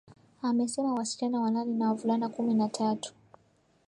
amesema wasichana wanane na wavulana kumi na tatu